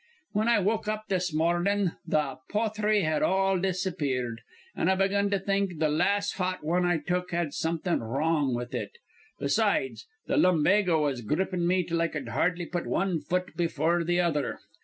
"Whin I woke up this mornin', th' pothry had all disappeared, an' I begun to think th' las' hot wan I took had somethin' wrong with it. Besides, th' lumbago was grippin' me till I cud hardly put wan foot befure th' other.